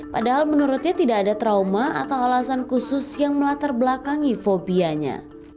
padahal menurutnya tidak ada trauma atau alasan khusus yang melatar belakangi fobianya